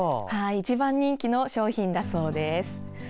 一番人気の商品だそうです。